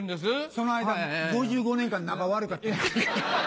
その間５５年間仲悪かった。